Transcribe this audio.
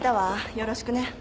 よろしくね。